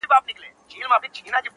له حملو د غلیمانو له ستمه٫